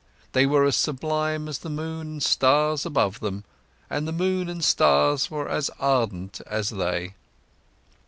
They were as sublime as the moon and stars above them, and the moon and stars were as ardent as they.